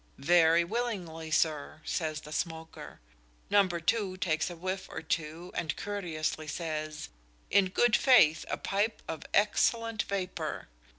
"Very willingly, sir," says the smoker. Number two takes a whiff or two and courteously says: "In good faith, a pipe of excellent vapour!"